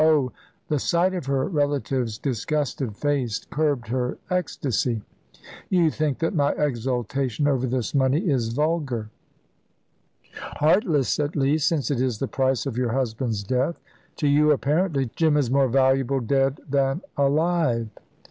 Oh " The sight of her relative's disgusted face curbed her ecstasy: "You think that my exultation over this money is vulgar." "Heartless, at least, since it is the price of your husband's death. To you, apparently, Jim is more valuable dead than alive."